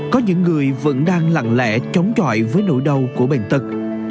có những người vẫn đang lặng lẽ chống trọi với nỗi đau của bệnh tật